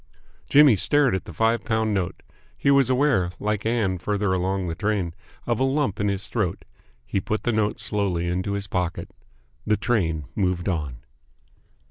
Jimmy stared at the five pound note. He was aware, like Ann farther along the train, of a lump in his throat. He put the note slowly into his pocket. The train moved on.